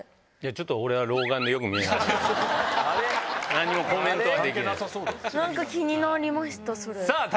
何もコメントはできない。